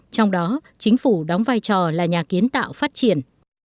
trong đó chính phủ đóng vai trò là nhà kiến tạo phát triển